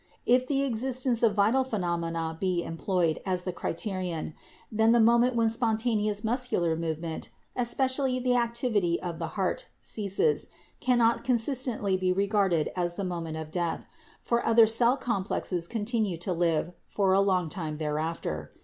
If the existence of vital phenomena be employed as the criterion, then the moment when spontaneous mus cular movement, especially the activity of the heart, ceases, cannot consistently be regarded as the moment of death, for other cell complexes continue to live for a long time thereafter.